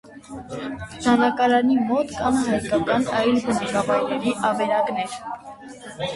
Դանակարանի մոտ կան հայկական այլ բնակավայրերի ավերակներ։